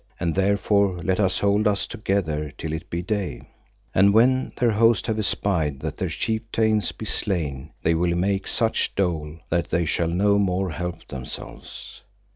And therefore let us hold us together till it be day, and when their host have espied that their chieftains be slain, they will make such dole that they shall no more help themselves.